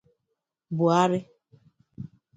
Buharị